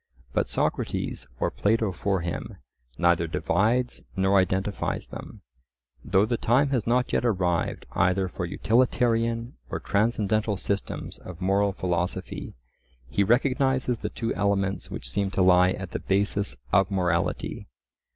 But Socrates, or Plato for him, neither divides nor identifies them; though the time has not yet arrived either for utilitarian or transcendental systems of moral philosophy, he recognizes the two elements which seem to lie at the basis of morality.